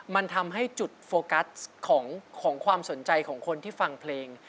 มันทำให้จุดโฟกัสของความสนใจของคนที่ฟังเพลง